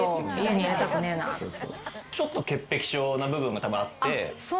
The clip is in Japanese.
ちょっと潔癖症な部分がたぶんあって。